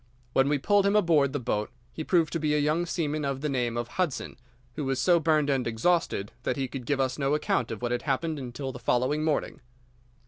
When we pulled him aboard the boat he proved to be a young seaman of the name of Hudson, who was so burned and exhausted that he could give us no account of what had happened until the following morning.